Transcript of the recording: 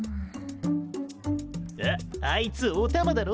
あっあいつおたまだろ？